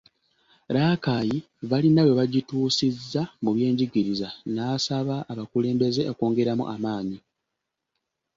Rakai balina we bagituusizza mu byenjigiriza n’asaba abakulembeze okwongeramu amaanyi.